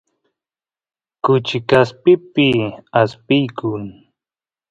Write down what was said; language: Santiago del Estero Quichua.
kuchi kaspipi aspiykun